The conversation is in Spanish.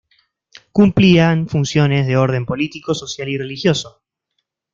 Cumplían funciones de orden político, social y religioso.